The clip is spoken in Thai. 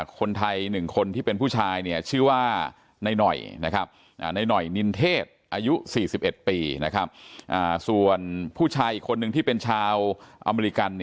คนไทยหนึ่งคนที่เป็นผู้ชายเนี่ยชื่อว่านายหน่อยนะครับ